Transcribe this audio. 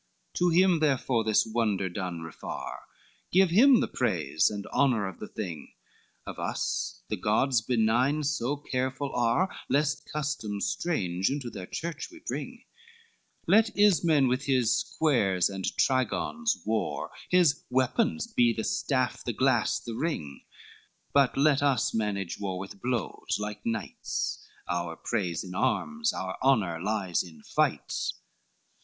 LI "To him therefore this wonder done refar, Give him the praise and honor of the thing, Of us the gods benign so careful are Lest customs strange into their church we bring: Let Ismen with his squares and trigons war, His weapons be the staff, the glass, the ring; But let us manage war with blows like knights, Our praise in arms, our honor lies in fights."